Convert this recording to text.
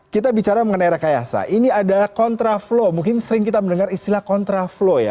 kita bicara mengenai rekayasa ini adalah kontraflo mungkin sering kita mendengar istilah kontraflo ya